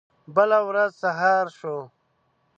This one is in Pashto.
بله ورځ سهار شو.